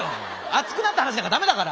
熱くなった話なんか駄目だから！